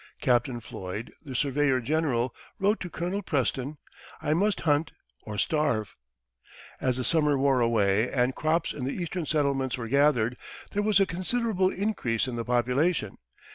Captain Floyd, the surveyor general, wrote to Colonel Preston: "I must hunt or starve." As the summer wore away and crops in the Eastern settlements were gathered, there was a considerable increase in the population.